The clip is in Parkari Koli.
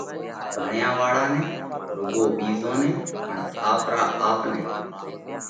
ڀڻيا واۯا نہ رُوڳو ٻِيزون نئہ پڻ آپرا آپ نئہ